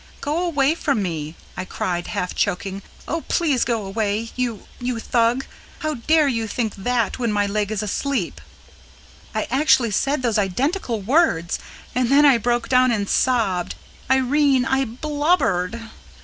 "Go away from me," I cried, half choking. "Oh, PLEASE go away, you you Thug! How dare you think THAT when my leg is asleep?" I actually said those identical words! And then I broke down and sobbed. Irene, I BLUBBERED!